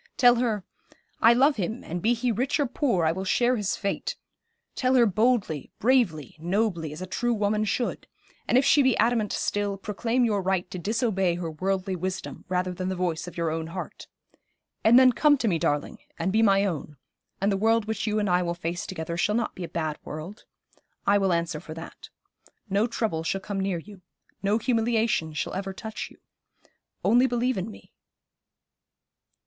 Tell her, "I love him, and be he rich or poor, I will share his fate;" tell her boldly, bravely, nobly, as a true woman should; and if she be adamant still, proclaim your right to disobey her worldly wisdom rather than the voice of your own heart. And then come to me, darling, and be my own, and the world which you and I will face together shall not be a bad world. I will answer for that. No trouble shall come near you. No humiliation shall ever touch you. Only believe in me.'